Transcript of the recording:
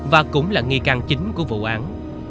và cũng là nghi can chính của vụ án